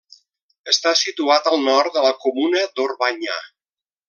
Està situat al nord de la comuna d'Orbanyà.